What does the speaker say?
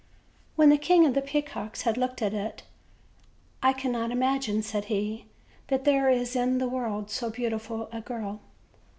When the King of the Peacocks had looked at it: "I cannot imagine," said he, "that there is in the world so beautiful a girl."